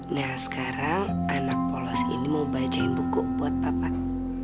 nah sekarang anak polos ini mau bacain buku buat bapak